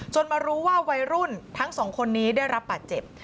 มารู้ว่าวัยรุ่นทั้งสองคนนี้ได้รับบาดเจ็บ